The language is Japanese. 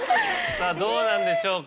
さぁどうなんでしょうか